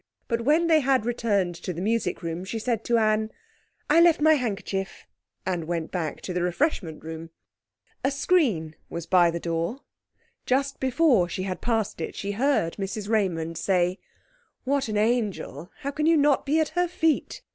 But when they had returned to the music room she said to Anne, 'I left my handkerchief,' and went back to the refreshment room. A screen was by the door. Just before she had passed it she heard Mrs Raymond say 'What an angel! How can you not be at her feet?